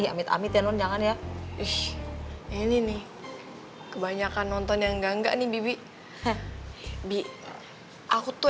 amit amit ya non jangan ya ish ini nih kebanyakan nonton yang enggak enggak nih bibi bi aku tuh